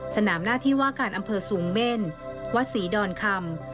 สนามหน้าที่ว่าการอำเภอสูงเม่นวัดศรีดอนคำ